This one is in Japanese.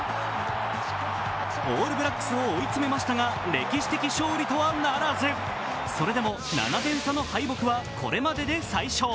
オールブラックスを追い詰めましたが歴史的勝利とはならず、それでも７点差の敗北はこれまでで最小。